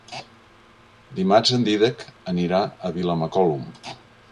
Dimarts en Dídac anirà a Vilamacolum.